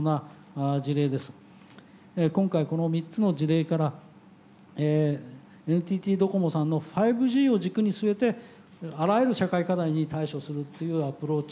今回この３つの事例からＮＴＴドコモさんの５Ｇを軸に据えてあらゆる社会課題に対処するっていうアプローチ